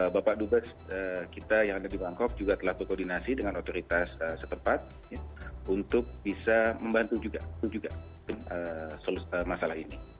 bapak dubes kita yang ada di bangkok juga telah berkoordinasi dengan otoritas setempat untuk bisa membantu juga masalah ini